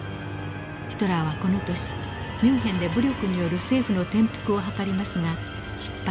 ヒトラーはこの年ミュンヘンで武力による政府の転覆を図りますが失敗。